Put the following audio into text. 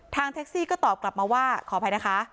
แท็กซี่ก็ตอบกลับมาว่าขออภัยนะคะ